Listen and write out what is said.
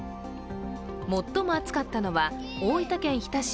最も暑かったのは、大分県日田市。